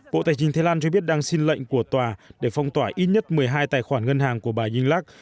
bộ tài chính thái lan cho biết đang xin lệnh của tòa để phong tỏa ít nhất một mươi hai tài khoản ngân hàng của bà inglak